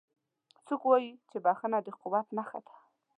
څوک وایي چې بښنه د قوت نښه ده